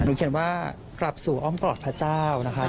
เขียนว่ากลับสู่อ้อมกรอดพระเจ้านะคะ